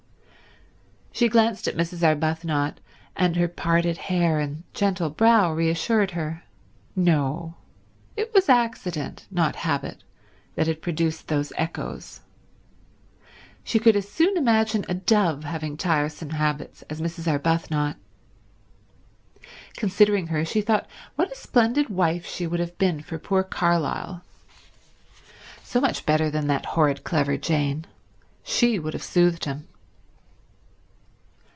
She glanced at Mrs. Arbuthnot, and her parted hair and gentle brow reassured her. No; it was accident, not habit, that had produced those echoes. She could as soon imagine a dove having tiresome habits as Mrs. Arbuthnot. Considering her, she thought what a splendid wife she would have been for poor Carlyle. So much better than that horrid clever Jane. She would have soothed him.